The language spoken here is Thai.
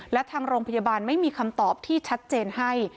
และทางโรงพยาบาลไม่มีคำตอบที่ชัดเจนให้